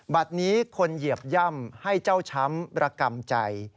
บัตรนี้คนเหยียบย่ำให้เจ้าช้ำระกำใจ